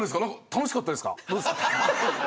楽しかったですか。